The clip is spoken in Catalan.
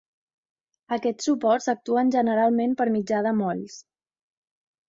Aquests suports actuen generalment per mitjà de molls.